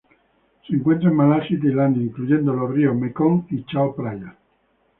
Se encuentra en Malasia y Tailandia, incluyendo los ríos Mekong y Chao Phraya.